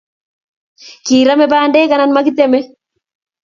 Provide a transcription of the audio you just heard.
Kirame pandek ana makitame